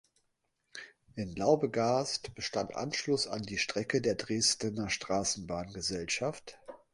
In Laubegast bestand Anschluss an die Strecke der Dresdner Straßenbahn-Gesellschaft.